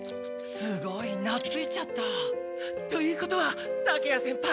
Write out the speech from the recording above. すごいなついちゃった。ということは竹谷先輩！